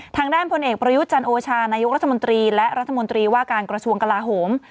ทางด้านพลเอกประยุทธ์จันโอชานายกรัฐมนตรีและรัฐมนตรีว่าการกระทรวงกลาโหม